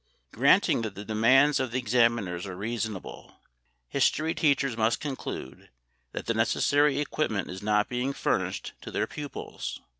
Granting that the demands of the examiners are reasonable, history teachers must conclude that the necessary equipment is not being furnished to their pupils.